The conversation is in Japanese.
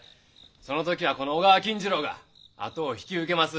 その時はこの小川錦次郎があとを引き受けます。